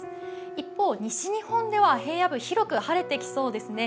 一方、西日本では平野部広く晴れてきそうですね。